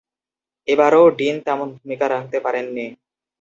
এবারও ডিন তেমন ভূমিকা রাখতে পারেননি।